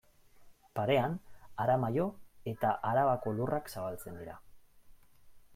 Parean Aramaio eta Arabako lurrak zabaltzen dira.